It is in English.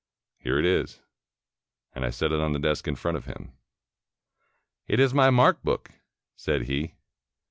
Here it is"; and I set it on the desk in front of him. "It is my mark book," said he.